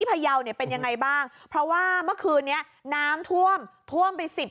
พยาวเนี่ยเป็นยังไงบ้างเพราะว่าเมื่อคืนนี้น้ำท่วมท่วมไปสิบ